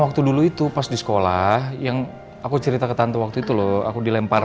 waktu dulu itu pas di sekolah yang aku cerita ke tante waktu itu loh aku dilempar